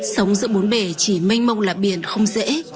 sống giữa bốn bể chỉ mênh mông là biển không dễ